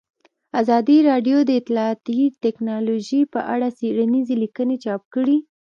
ازادي راډیو د اطلاعاتی تکنالوژي په اړه څېړنیزې لیکنې چاپ کړي.